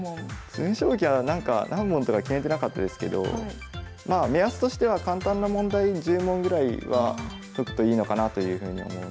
詰将棋は何問とか決めてなかったですけど目安としては簡単な問題１０問ぐらいは解くといいのかなというふうに思うので。